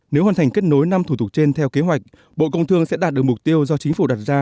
nếu hoàn thành kết nối năm thủ tục trên theo kế hoạch bộ công thương sẽ đạt được mục tiêu do chính phủ đặt ra